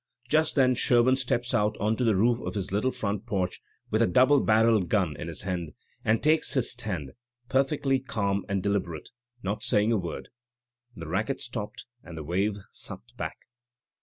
"Just then Sherbum steps out on to the roof of his little front porch, with a double barrel gun in his hand, and takes his stand, perfectly ca'm and deliberate, not saying a word. The racket stopped, and the wave sucked back.